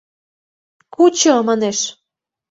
Кучо!» — манеш.